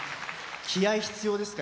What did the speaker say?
気合い、必要ですか？